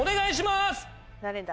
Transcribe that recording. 誰だ？